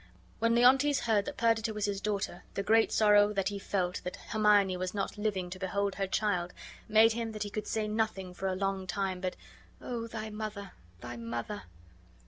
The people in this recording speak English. When Leontes heard that Perdita was his daughter, the great sorrow that he felt that Hermione was not living to behold her child made him that he could say nothing for a long time but "Oh, thy mother, thy mother!"